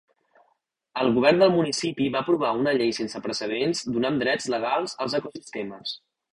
El govern del municipi va aprovar una llei sense precedents, donant drets legals als ecosistemes.